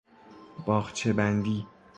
باغچه بندی